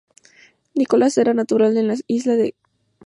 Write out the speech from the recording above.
Nicolás era natural de la isla de Negroponte.